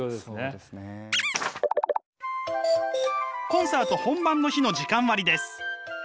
コンサート本番の日の時間割です。